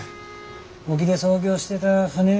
沖で操業してだ